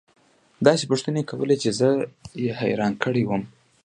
داسې پوښتنې يې كولې چې زه يې حيران كړى وم.